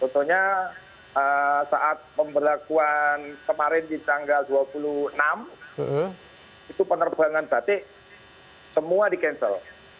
contohnya saat pemberlakuan kemarin di tanggal dua puluh enam itu penerbangan batik semua di cancel